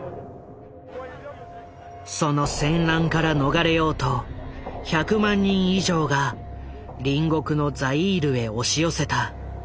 その戦乱から逃れようと１００万人以上が隣国のザイールへ押し寄せた。